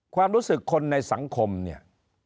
ความรู้สึกคนในสังคมเนี่ย